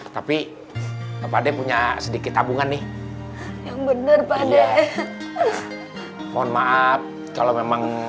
tapi pada punya sedikit tabungan nih yang bener pakde mohon maaf kalau memang